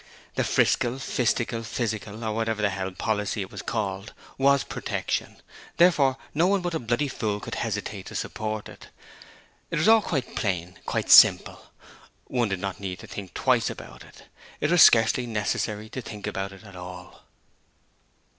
This Friscal, Fistical, Fissical or whatever the hell policy it was called, WAS Protection, therefore no one but a bloody fool could hesitate to support it. It was all quite plain quite simple. One did not need to think twice about it. It was scarcely necessary to think about it at all.